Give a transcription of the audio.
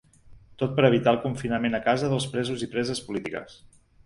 Tot per evitar el confinament a casa dels presos i preses polítiques.